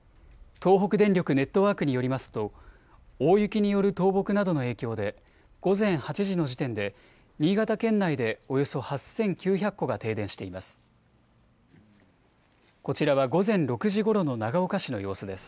東北電力ネットワークによりますと大雪による倒木などの影響で午前８時の時点で新潟県内でおよそ８９００戸が停電しています。